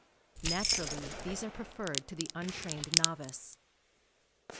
Naturally, these are pre ferred to the untrained novice.